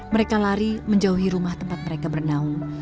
mereka lari menjauhi rumah tempat mereka bernaung